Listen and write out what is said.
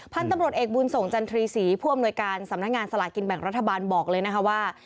พันธุ์ตำรวจเอกบุญส่งจันทรีศรีผู้อำนวยการสำนักงานสลากินแบ่งรัฐบาลบอกเลยนะคะว่า